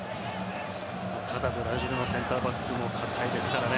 ブラジルのセンターバックも堅いですからね。